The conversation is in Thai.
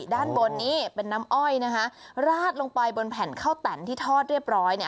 ด้านบนนี้เป็นน้ำอ้อยนะคะราดลงไปบนแผ่นข้าวแต่นที่ทอดเรียบร้อยเนี่ย